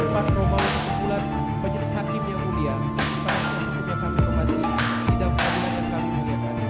makro malu kesimpulan penjelasan kimia mulia